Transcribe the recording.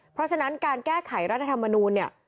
เพราะฉะนั้นการแก้ไขรัฐธรรมนูลเนี่ย